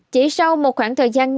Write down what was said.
chỉ sau một khoảng thời gian ngắn